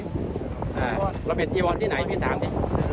เราเป็นจีวอนที่ไหนพี่ถามสิ